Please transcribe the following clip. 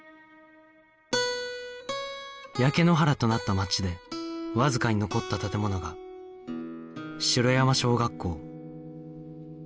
焼け野原となった街でわずかに残った建物が城山小学校